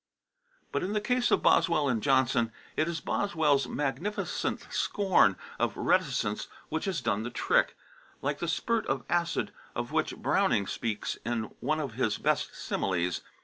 But in the case of Boswell and Johnson, it is Boswell's magnificent scorn of reticence which has done the trick, like the spurt of acid, of which Browning speaks in one of his best similes.